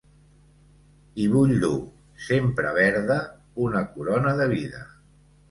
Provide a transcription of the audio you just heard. Hi vull dur, sempre verda, una corona de vida.